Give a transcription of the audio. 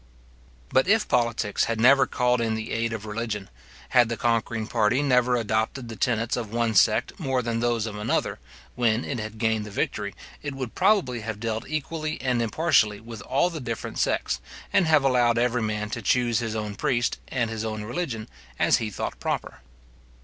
But if politics had never called in the aid of religion, had the conquering party never adopted the tenets of one sect more than those of another, when it had gained the victory, it would probably have dealt equally and impartially with all the different sects, and have allowed every man to choose his own priest, and his own religion, as he thought proper.